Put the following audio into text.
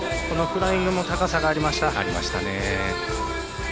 このフライングも高さがありました。